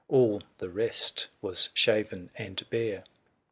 All the rest was shaven and bare.